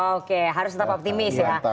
oke harus tetap optimis ya